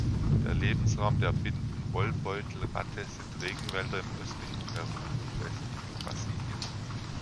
Der Lebensraum der Binden-Wollbeutelratte sind Regenwälder im östlichen Peru und westlichen Brasilien.